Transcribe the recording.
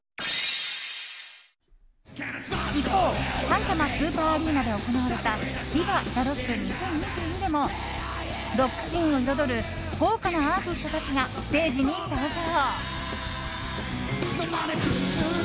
一方さいたまスーパーアリーナで行われたＶＩＶＡＬＡＲＯＣＫ２０２２でもロックシーンを彩る豪華なアーティストたちがステージに登場。